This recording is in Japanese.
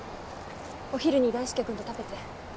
お昼に大輔君と食べて。